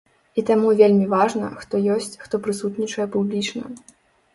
І таму вельмі важна, хто ёсць, хто прысутнічае публічна.